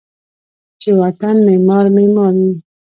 چې و طن معمار ، معمار وی